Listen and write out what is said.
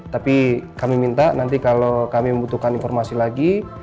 tapi kami minta nanti kalau kami membutuhkan informasi lagi